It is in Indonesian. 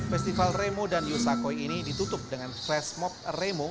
festival remo dan yosakoi ini ditutup dengan flashmob remo